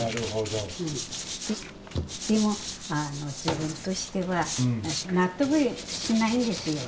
でもあの自分としては納得しないんですよ